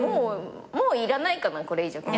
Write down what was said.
もういらないかなこれ以上友達は。